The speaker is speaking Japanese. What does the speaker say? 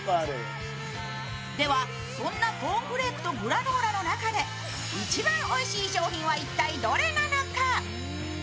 では、そんなコーンフレークとグラノーラの中で一番おいしい商品は一体どれなのか？